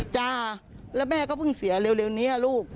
จ้าแล้วแม่ก็เพิ่งเสียเร็วนี้ลูก